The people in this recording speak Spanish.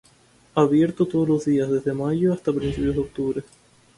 Abierto todos los días, desde mayo hasta principios de octubre.